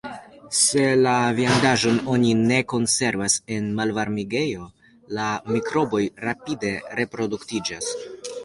Se la viandaĵon oni ne konservas en malvarmigejo, la mikroboj rapide reproduktiĝas.